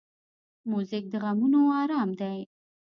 موزیک د غمونو آرام دی.